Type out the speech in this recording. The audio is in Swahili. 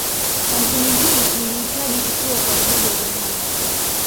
Kampuni hii ilihitaji kituo kwa ajili ya jahazi